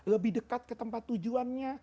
lebih dekat ke tempat tujuannya